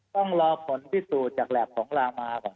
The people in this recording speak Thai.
ต้องรอผลสูตรจากแหลกของรามาธิบดีกว่า